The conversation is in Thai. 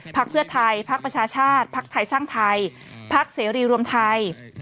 พักเพื่อไทยพักประชาชาติพักไทยสร้างไทยพักเสรีรวมไทย